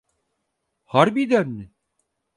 Harbiden mi?